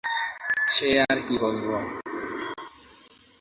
সে আর কী বলব!